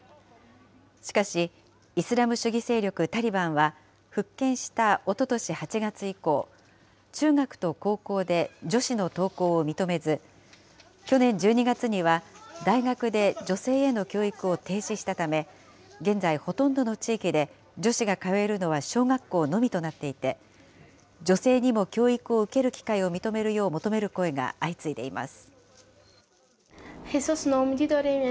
しかし、イスラム主義勢力タリバンは、復権したおととし８月以降、中学と高校で女子の登校を認めず、去年１２月には、大学で女性への教育を停止したため、現在、ほとんどの地域で女子が通えるのは小学校のみとなっていて、女性にも教育を受ける機会を認めるよう求める声が相次いでいます。